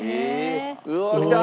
うわあきた！